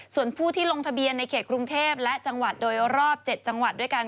ส่วนผู้ที่ลงทะเบียนในเขตกรุงเทพและจังหวัดโดยรอบ๗จังหวัดด้วยกัน